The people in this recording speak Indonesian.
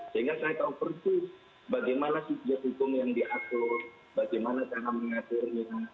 sehingga saya tahu persis bagaimana subjek hukum yang diatur bagaimana cara mengaturnya